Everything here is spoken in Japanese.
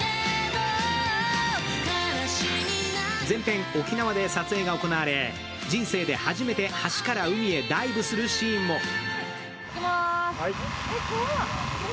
全編沖縄で撮影が行われ、人生で初めて橋から海へダイブするシーンも。